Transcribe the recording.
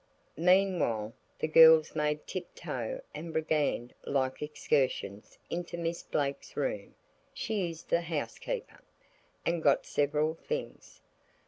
Meanwhile, the girls made tiptoe and brigand like excursions into Miss Blake's room (she is the housekeeper) and got several things.